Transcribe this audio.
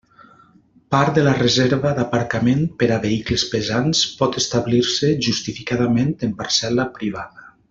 Part de la reserva d'aparcament per a vehicles pesants pot establir-se, justificadament, en parcel·la privada.